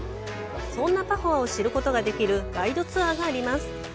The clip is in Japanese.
そんなパホアを知ることができるガイドツアーがあります。